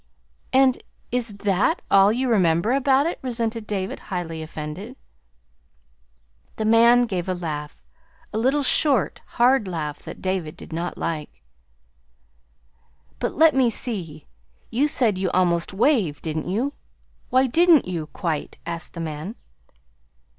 "And is THAT all you remember about it?" resented David, highly offended. The man gave a laugh a little short, hard laugh that David did not like. "But, let me see; you said you almost waved, didn't you? Why did n't you, quite?" asked the man.